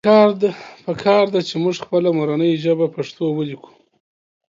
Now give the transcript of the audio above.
پکار ده چې مونږ خپله مورنۍ ژبه پښتو وليکو